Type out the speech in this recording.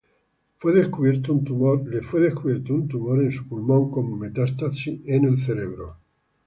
Le fue descubierto un tumor en su pulmón con metástasis en su cerebro.